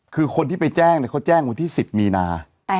คือคนที่ไปแจ้งเขาแจ้งวันที่๑๐มีนา